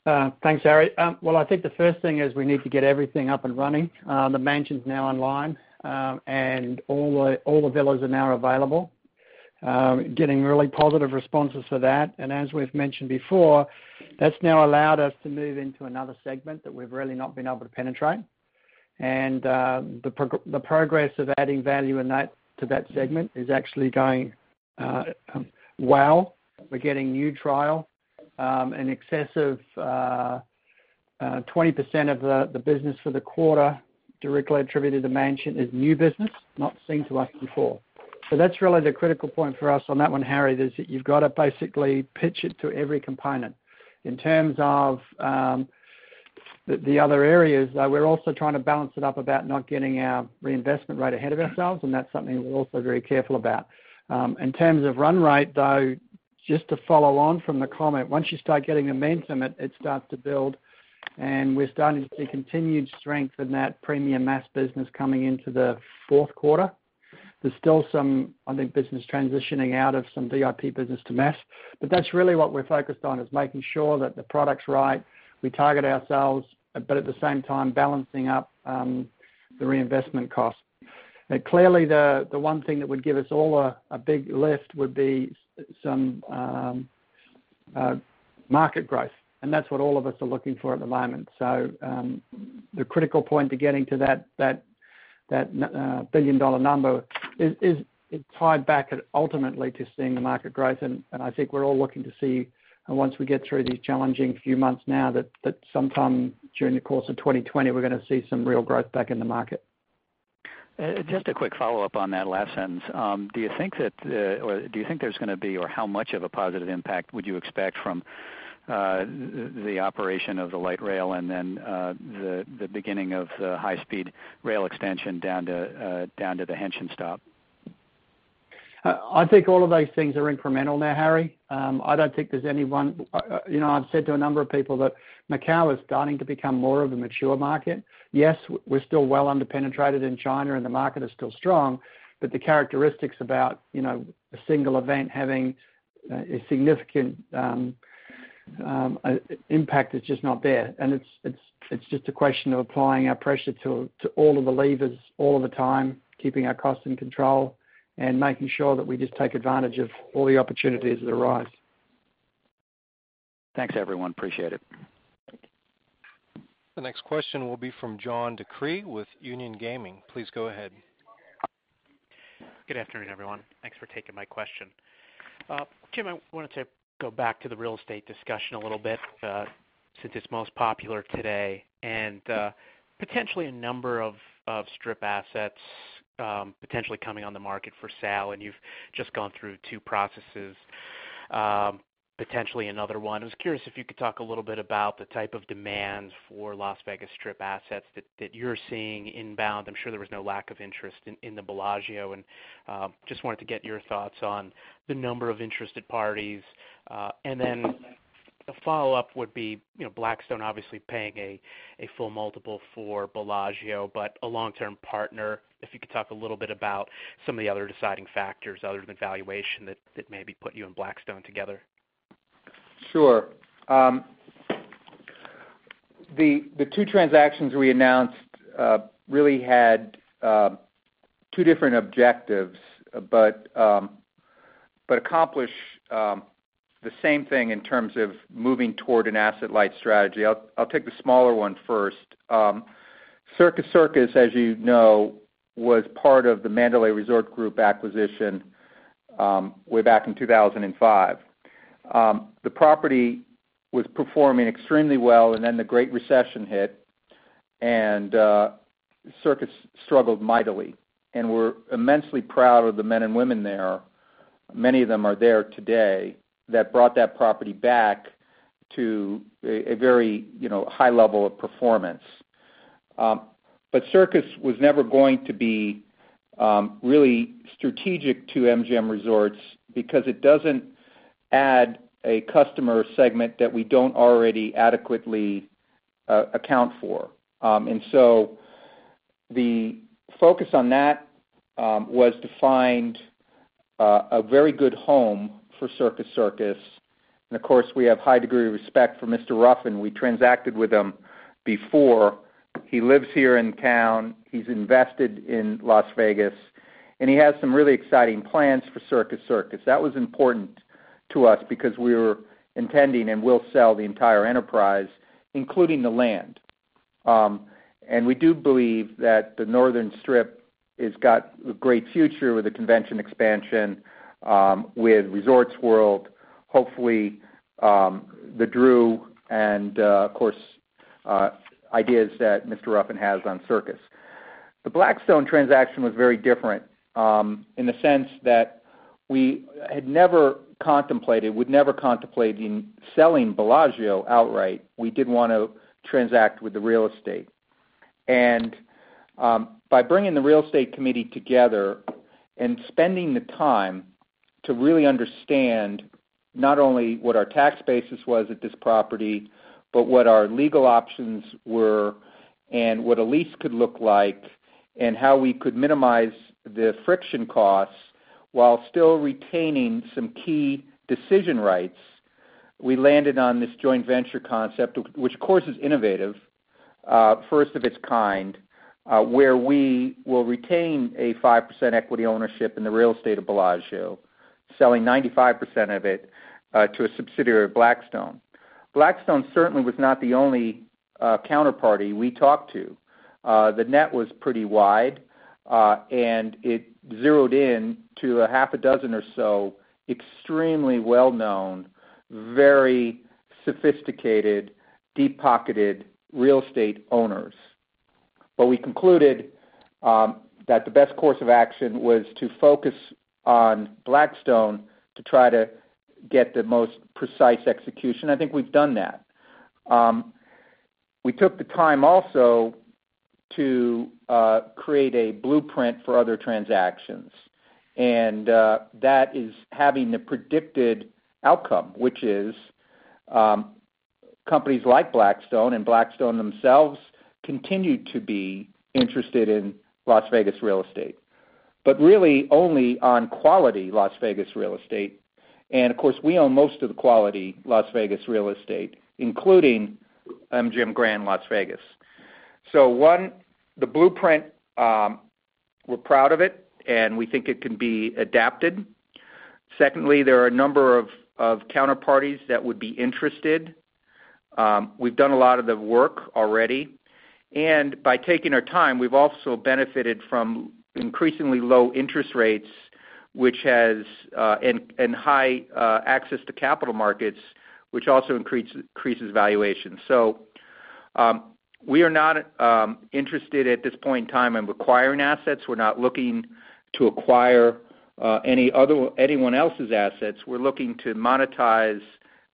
Thanks. Thanks, Harry. Well, I think the first thing is we need to get everything up and running. The Mansion's now online. All the villas are now available. Getting really positive responses for that. As we've mentioned before, that's now allowed us to move into another segment that we've really not been able to penetrate. The progress of adding value to that segment is actually going well. We're getting new trial in excess of 20% of the business for the quarter directly attributed to Mansion is new business, not seen to us before. That's really the critical point for us on that one, Harry, is that you've got to basically pitch it to every component. In terms of the other areas, we're also trying to balance it up about not getting our reinvestment rate ahead of ourselves, and that's something we're also very careful about. In terms of run rate, just to follow on from the comment, once you start getting momentum, it starts to build. We're starting to see continued strength in that premium mass business coming into the fourth quarter. There's still some, I think, business transitioning out of some VIP business to mass. That's really what we're focused on, is making sure that the product's right, we target our sales, but at the same time balancing up the reinvestment cost. Clearly, the one thing that would give us all a big lift would be some market growth. That's what all of us are looking for at the moment. The critical point to getting to that billion-dollar number is tied back ultimately to seeing the market growth. I think we're all looking to see, once we get through these challenging few months now, that sometime during the course of 2020, we're going to see some real growth back in the market. Just a quick follow-up on that last sentence. Do you think there's going to be, or how much of a positive impact would you expect from the operation of the light rail and then the beginning of the high-speed rail extension down to the Hengqin stop? I think all of those things are incremental now, Harry. I've said to a number of people that Macau is starting to become more of a mature market. Yes, we're still well under-penetrated in China and the market is still strong, but the characteristics about a single event having a significant impact is just not there. It's just a question of applying our pressure to all of the levers all of the time, keeping our costs in control, and making sure that we just take advantage of all the opportunities that arise. Thanks, everyone. Appreciate it. The next question will be from John DeCree with Union Gaming. Please go ahead. Good afternoon, everyone. Thanks for taking my question. Jim, I wanted to go back to the real estate discussion a little bit, since it's most popular today, and potentially a number of Strip assets potentially coming on the market for sale, and you've just gone through two processes, potentially another one. I was curious if you could talk a little bit about the type of demand for Las Vegas Strip assets that you're seeing inbound. I'm sure there was no lack of interest in the Bellagio, and just wanted to get your thoughts on the number of interested parties. A follow-up would be, Blackstone obviously paying a full multiple for Bellagio, but a long-term partner, if you could talk a little bit about some of the other deciding factors other than valuation that maybe put you and Blackstone together. Sure. The two transactions we announced really had two different objectives but accomplished the same thing in terms of moving toward an asset-light strategy. I'll take the smaller one first. Circus Circus, as you know, was part of the Mandalay Resort Group acquisition way back in 2005. The property was performing extremely well, then the Great Recession hit, Circus struggled mightily. We're immensely proud of the men and women there, many of them are there today, that brought that property back to a very high level of performance. Circus was never going to be really strategic to MGM Resorts because it doesn't add a customer segment that we don't already adequately account for. The focus on that was to find a very good home for Circus Circus. Of course, we have high degree of respect for Mr. Ruffin. We transacted with him before. He lives here in town. He's invested in Las Vegas, and he has some really exciting plans for Circus Circus. That was important to us because we were intending, and will sell the entire enterprise, including the land. We do believe that the northern Strip has got a great future with the convention expansion, with Resorts World, hopefully The Drew, and of course, ideas that Mr. Ruffin has on Circus. The Blackstone transaction was very different in the sense that we had never contemplated, would never contemplate in selling Bellagio outright. We did want to transact with the real estate. By bringing the real estate committee together and spending the time to really understand not only what our tax basis was at this property, but what our legal options were and what a lease could look like and how we could minimize the friction costs while still retaining some key decision rights, we landed on this joint venture concept, which of course is innovative, first of its kind, where we will retain a 5% equity ownership in the real estate of Bellagio, selling 95% of it to a subsidiary of Blackstone. Blackstone certainly was not the only counterparty we talked to. The net was pretty wide, and it zeroed in to a half a dozen or so extremely well-known, very sophisticated, deep-pocketed real estate owners. We concluded that the best course of action was to focus on Blackstone to try to get the most precise execution. I think we've done that. We took the time also to create a blueprint for other transactions. That is having the predicted outcome, which is companies like Blackstone and Blackstone themselves continue to be interested in Las Vegas real estate, but really only on quality Las Vegas real estate. Of course, we own most of the quality Las Vegas real estate, including MGM Grand Las Vegas. One, the blueprint, we're proud of it, and we think it can be adapted. Secondly, there are a number of counterparties that would be interested. We've done a lot of the work already. By taking our time, we've also benefited from increasingly low interest rates and high access to capital markets, which also increases valuation. We are not interested at this point in time in acquiring assets. We're not looking to acquire anyone else's assets. We're looking to monetize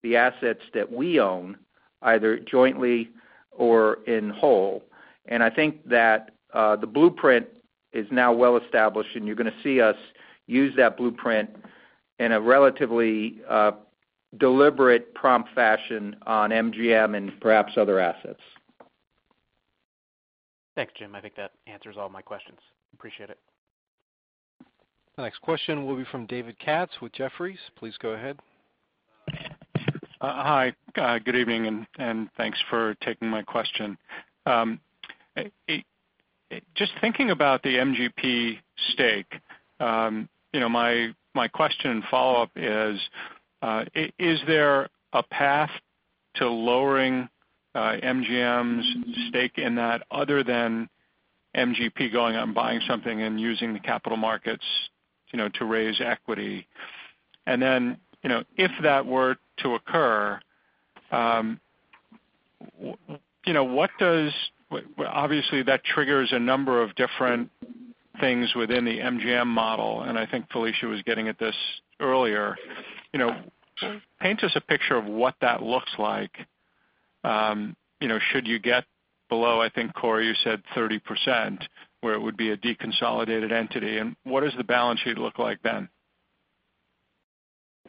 the assets that we own, either jointly or in whole. I think that the blueprint is now well established, and you're going to see us use that blueprint in a relatively deliberate, prompt fashion on MGM and perhaps other assets. Thanks, Jim. I think that answers all my questions. Appreciate it. The next question will be from David Katz with Jefferies. Please go ahead. Hi, good evening, thanks for taking my question. Just thinking about the MGP stake, my question and follow-up is there a path to lowering MGM's stake in that other than MGP going out and buying something and using the capital markets to raise equity? If that were to occur, obviously that triggers a number of different things within the MGM model, I think Felicia was getting at this earlier. Paint us a picture of what that looks like should you get below, I think, Corey, you said 30%, where it would be a deconsolidated entity, what does the balance sheet look like then?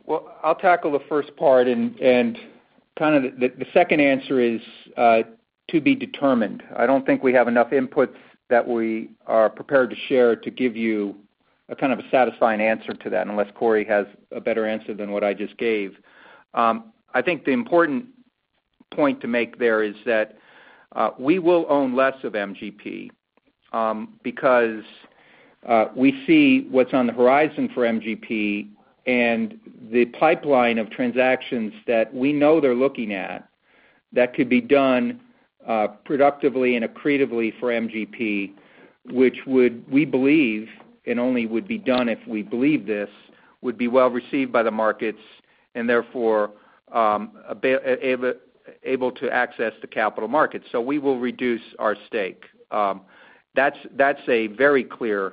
Well, I'll tackle the first part, and kind of the second answer is to be determined. I don't think we have enough inputs that we are prepared to share to give you a kind of a satisfying answer to that, unless Corey has a better answer than what I just gave. I think the important point to make there is that we will own less of MGP, because we see what's on the horizon for MGP and the pipeline of transactions that we know they're looking at that could be done productively and accretively for MGP, which we believe, and only would be done if we believe this, would be well-received by the markets, and therefore, able to access the capital markets. We will reduce our stake. That's a very clear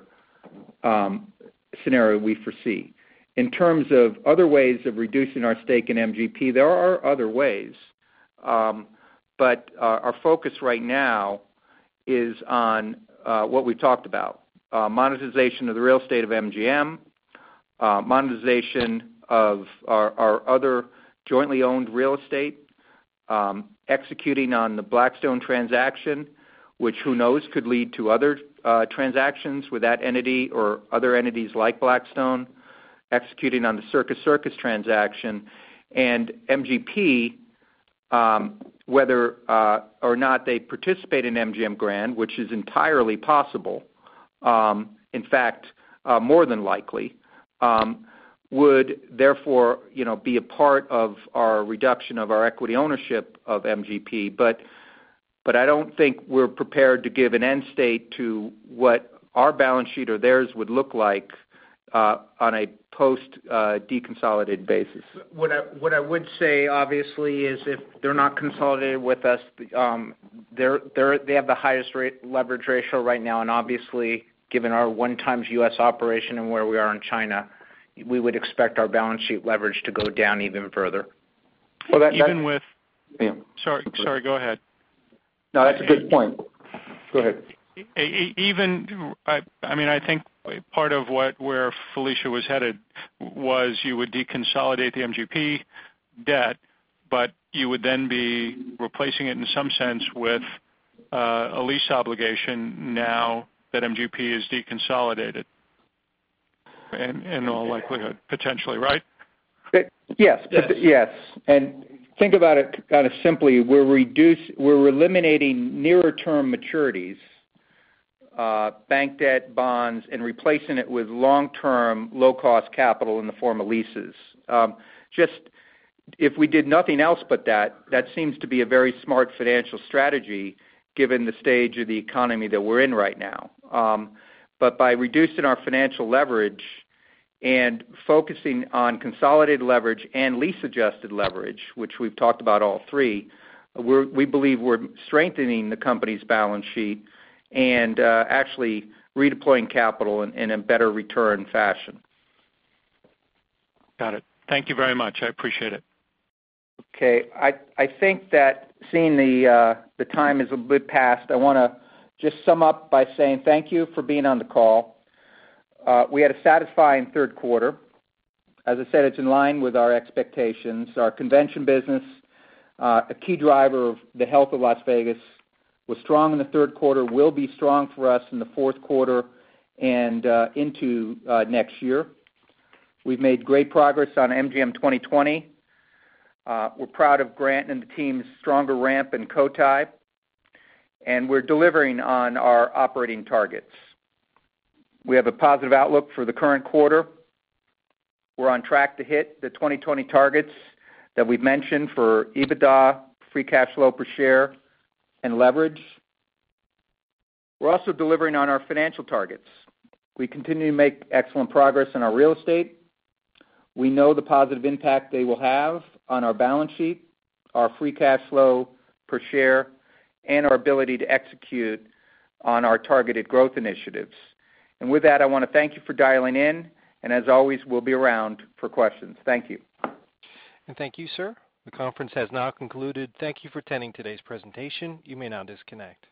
scenario we foresee. In terms of other ways of reducing our stake in MGP, there are other ways. Our focus right now is on what we talked about, monetization of the real estate of MGM, monetization of our other jointly owned real estate, executing on the Blackstone transaction, which who knows, could lead to other transactions with that entity or other entities like Blackstone, executing on the Circus Circus transaction. MGP, whether or not they participate in MGM Grand, which is entirely possible, in fact, more than likely, would therefore be a part of our reduction of our equity ownership of MGP. I don't think we're prepared to give an end state to what our balance sheet or theirs would look like on a post deconsolidated basis. What I would say, obviously, is if they're not consolidated with us, they have the highest leverage ratio right now, and obviously, given our 1x U.S. operation and where we are in China, we would expect our balance sheet leverage to go down even further. Well. Even with- Yeah. Sorry. Go ahead. No, that's a good point. Go ahead. I think part of where Felicia was headed was you would deconsolidate the MGP debt, but you would then be replacing it in some sense with a lease obligation now that MGP is deconsolidated in all likelihood, potentially, right? Yes. Yes. Think about it kind of simply, we're eliminating nearer term maturities, bank debt, bonds, and replacing it with long-term, low-cost capital in the form of leases. If we did nothing else but that seems to be a very smart financial strategy given the stage of the economy that we're in right now. By reducing our financial leverage and focusing on consolidated leverage and lease-adjusted leverage, which we've talked about all three, we believe we're strengthening the company's balance sheet and actually redeploying capital in a better return fashion. Got it. Thank you very much. I appreciate it. Okay. I think that seeing the time is a bit past, I want to just sum up by saying thank you for being on the call. We had a satisfying third quarter. As I said, it's in line with our expectations. Our convention business, a key driver of the health of Las Vegas, was strong in the third quarter, will be strong for us in the fourth quarter and into next year. We've made great progress on MGM 2020. We're proud of Grant and the team's stronger ramp in Cotai. We're delivering on our operating targets. We have a positive outlook for the current quarter. We're on track to hit the 2020 targets that we've mentioned for EBITDA, free cash flow per share, and leverage. We're also delivering on our financial targets. We continue to make excellent progress in our real estate. We know the positive impact they will have on our balance sheet, our free cash flow per share, and our ability to execute on our targeted growth initiatives. With that, I want to thank you for dialing in, and as always, we'll be around for questions. Thank you. Thank you, sir. The conference has now concluded. Thank you for attending today's presentation. You may now disconnect.